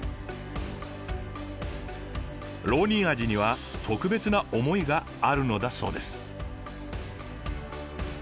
ロウニンアジには特別な思いがあるのだそうです。